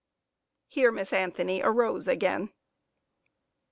(Here Miss Anthony arose again.)